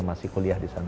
masih kuliah di sana